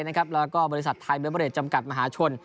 และบริษัทไทยเบอร์เบอร์เรทจำกัดมหาชน